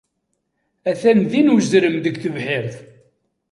Atan din uzrem deg tebḥirt.